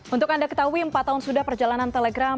untuk anda ketahui empat tahun sudah perjalanan telegram